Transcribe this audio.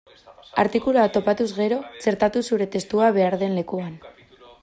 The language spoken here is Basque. Artikulua topatuz gero, txertatu zure testua behar den lekuan.